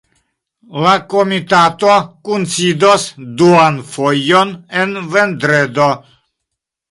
La komitato kunsidos duan fojon en vendredo.